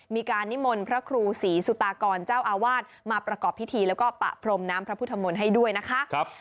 มีการนิมนต์พระครูศรีสุตากรเจ้าอาวาสมาประกอบพิธีแล้วก็ปะพรมน้ำพระพุทธมนต์ให้ด้วยนะคะ